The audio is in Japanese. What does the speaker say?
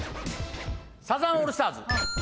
サザンオールスターズ。